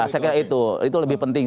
saya kira itu itu lebih penting